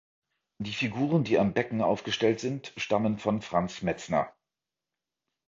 Die Figuren, die am Becken aufgestellt sind, stammen von Franz Metzner.